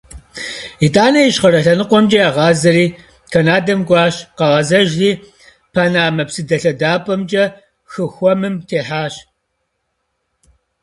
Итӏанэ Ищхъэрэ лъэныкъуэмкӏэ ягъазэри, Канадэм кӏуащ, къагъэзэжри, Панамэ псыдэлъэдапӏэмкӏэ хы Хуэмым техьащ.